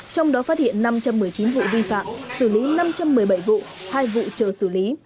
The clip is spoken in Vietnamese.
trong đó phát hiện năm trăm một mươi chín vụ vi phạm xử lý năm trăm một mươi bảy vụ hai vụ chờ xử lý